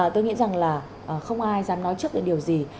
tôi nghĩ rằng là không ai dám nói trước được điều gì